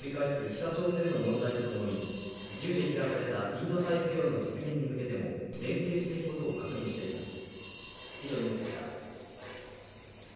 北朝鮮の問題とともに自由で開かれたインド太平洋の実現に向けても連携していくことを確認しています